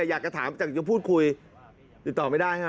อยากจะถามอยากจะพูดคุยติดต่อไม่ได้ฮะ